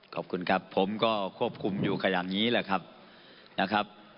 ขอบคุณครับผมก็ควบคุมอยู่กับอย่างนี้แหละครับนะครับ